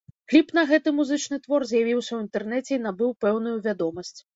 Кліп на гэты музычны твор з'явіўся ў інтэрнэце і набыў пэўную вядомасць.